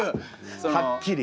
はっきり？